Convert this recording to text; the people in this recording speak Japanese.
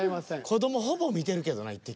子どもほぼ見てるけどな「イッテＱ！」。